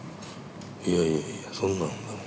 いやいやいやそんなのでも。